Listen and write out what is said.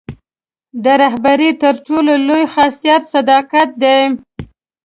د رهبرۍ تر ټولو لوی خاصیت صداقت دی.